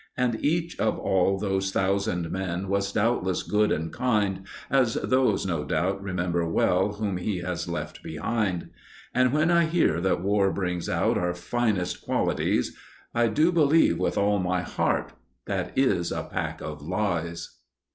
And each of all those thousand men Was doubtless good and kind, As those, no doubt, remember well Whom he has left behind. And when I hear that war brings out Our finest qualities, I do believe with all my heart That is a pack of lies.